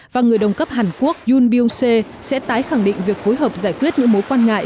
và người đồng cấp hàn quốc yoon byung se sẽ tái khẳng định việc phối hợp giải quyết những mối quan ngại